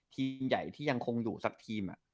ทีมใหญ่ที่ยังคงอยู่สักทีม